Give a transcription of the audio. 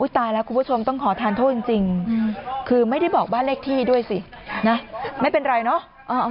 ตายแล้วคุณผู้ชมต้องขอทานโทษจริงคือไม่ได้บอกบ้านเลขที่ด้วยสินะไม่เป็นไรเนอะ